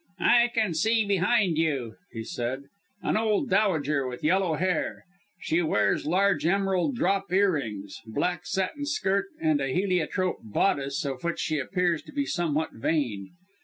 "I can see behind you," he said, "an old dowager with yellow hair. She wears large emerald drop earrings, black satin skirt, and a heliotrope bodice of which she appears to be somewhat vain.